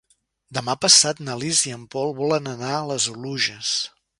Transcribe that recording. Demà passat na Lis i en Pol volen anar a les Oluges.